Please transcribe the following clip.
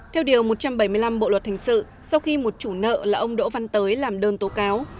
theo điều một trăm bảy mươi năm bộ luật hình sự sau khi một chủ nợ là ông đỗ văn tới làm đơn tố cáo